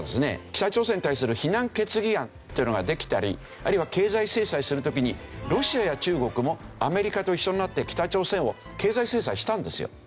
北朝鮮に対する非難決議案というのができたりあるいは経済制裁する時にロシアや中国もアメリカと一緒になって北朝鮮を経済制裁したんですよ。